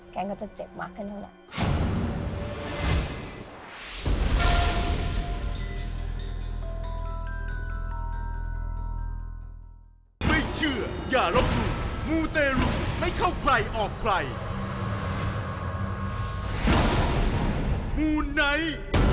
แกนก็จะเจ็บมากขึ้นเท่านั้น